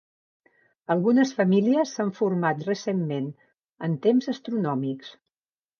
Algunes famílies s'han format recentment, en temps astronòmics.